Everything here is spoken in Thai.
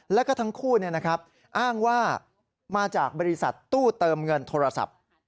แล้วก็ทั้งคู่อ้างว่ามาจากบริษัทตู้เติมเงินโทรศัพท์